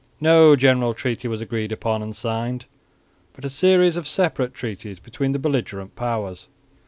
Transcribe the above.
No general treaty was agreed upon and signed, but a series of separate treaties between the belligerent powers.